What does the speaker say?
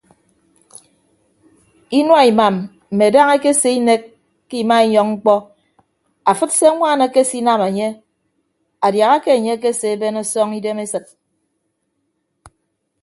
Inua imam mme daña ekese inek ke imainyọñ mkpọ afịd se añwaan ekesinam enye adiaha ke enye akese ben ọsọñ idem esịt.